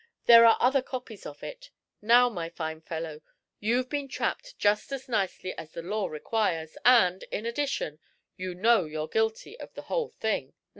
There are other copies of it. Now, my fine fellow, you've been trapped just as nicely as the law requires, and, in addition, you know you're guilty of the whole thing.